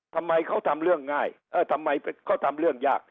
ทำไมเขาทำเรื่องง่ายเออทำไมเขาทำเรื่องยาก